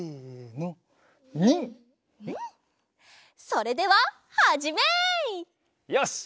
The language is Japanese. それでははじめい！よし。